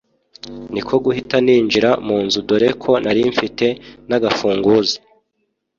niko guhita ninjira munzu dore ko nari mfite nagafunguzo